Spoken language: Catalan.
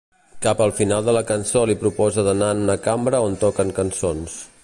Cap al final de la cançó li proposa d'anar en una cambra on toquen cançons.